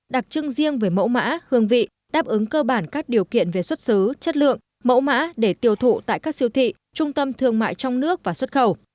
đặc trưng riêng về mẫu mã hương vị đáp ứng cơ bản các điều kiện về xuất xứ chất lượng mẫu mã để tiêu thụ tại các siêu thị trung tâm thương mại trong nước và xuất khẩu